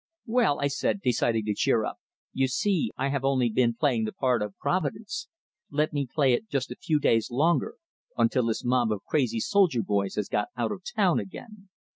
"Well," I said, deciding to cheer up, "you see, I have only been playing the part of Providence. Let me play it just a few days longer, until this mob of crazy soldier boys has got out of town again.